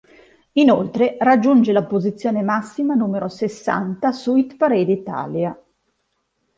Inoltre, raggiunge la posizione massima numero sessanta su Hit Parade Italia.